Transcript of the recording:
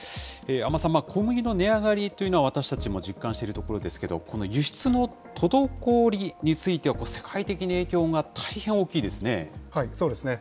安間さん、小麦の値上がりというのは私たちも実感しているところですけれども、この輸出の滞りについては、世界的に影響が大変大そうですね。